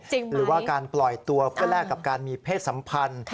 หรือว่าการปล่อยตัวเพื่อแลกกับการมีเพศสัมพันธ์